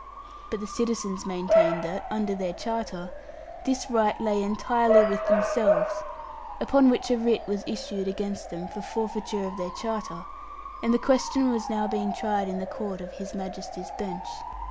But the citizens maintained that (under their charter) this right lay entirely with themselves; upon which a writ was issued against them for forfeiture of their charter; and the question was now being tried in the court of His Majesty's bench.